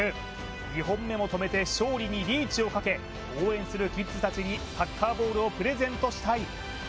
２本目も止めて勝利にリーチをかけ応援するキッズたちにサッカーボールをプレゼントしたい。